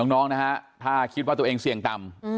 น้องนะฮะถ้าคิดว่าตัวเองเสี่ยงต่ำ